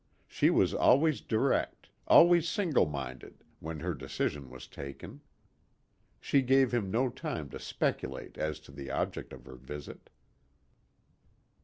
She was always direct, always single minded, when her decision was taken. She gave him no time to speculate as to the object of her visit.